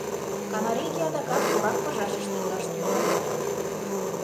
Канарейке адакат корак пыжашыште илаш тӱҥале.